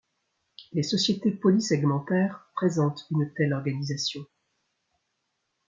Les sociétés polysegmentaires présentent une telle organisation.